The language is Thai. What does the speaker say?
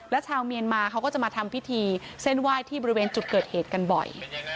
แล้วชาวเมียนมาเขาก็จะมาทำพิธีเส้นไหว้ที่บริเวณจุดเกิดเหตุกันบ่อย